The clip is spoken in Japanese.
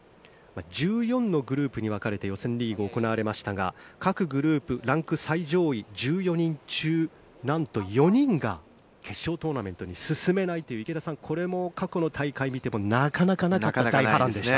１４のグループに分かれて予選リーグ、行われましたが各グループランク最上位１４人中なんと４人が決勝トーナメントに進めないという池田さんこれも過去の大会を見てもなかなかなかった大波乱でした。